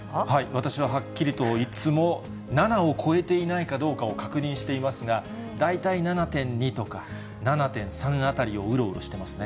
私ははっきりと、いつも７を超えていないかどうかを確認していますが、大体７．２とか、７．３あたりをうろうろしてますね。